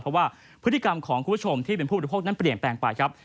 เพราะว่าพฤติกรรมของคุณผู้ชมเปลี่ยนแปลงไปครับ